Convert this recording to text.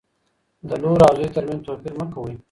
د لور او زوی ترمنځ توپیر مه کوئ.